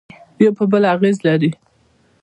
یوه پر بل اغېز لري